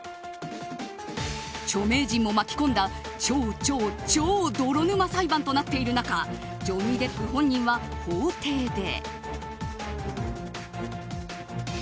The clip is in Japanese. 著名人も巻き込んだ超、超、チョドロ沼裁判となっている中ジョニー・デップ本人は法廷で。